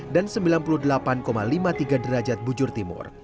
dan sembilan puluh delapan lima puluh tiga derajat bujur timur